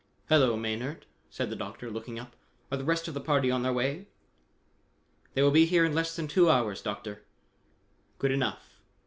"Hello, Maynard," said the Doctor, looking up. "Are the rest of the party on their way?" "They will be here in less than two hours, Doctor." "Good enough!